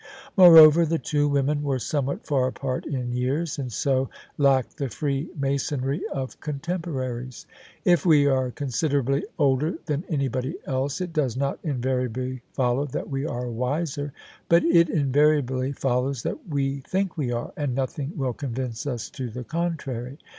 Moreover, the two women were somewhat far apart in years, and so lacked the freemasonry of contemporaries. If we are considerably older than anybody else, it does not invariably follow that we are wiser: but it invariably fol lows that we think we are, and nothing will convince us to the contrary.